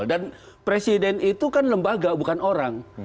dan presiden itu kan lembaga bukan orang